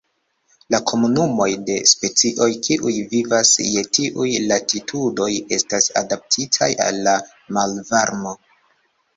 La komunumoj de specioj kiuj vivas je tiuj latitudoj estas adaptitaj al la malvarmo.